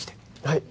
はい